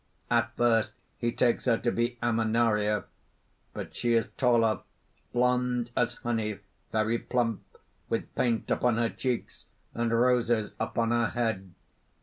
At first he takes her to be Ammonaria. But she is taller, blond as honey, very plump, with paint upon her cheeks and roses upon her head.